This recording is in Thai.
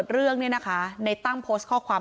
เรื่องนี้นะคะในตั้งโพสต์ข้อความ